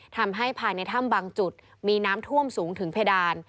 ทำให้ภายในถ้ำบางจุดมีน้ำท่วมสูงถึงเพดาน